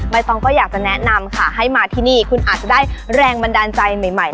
ต้องก็อยากจะแนะนำค่ะให้มาที่นี่คุณอาจจะได้แรงบันดาลใจใหม่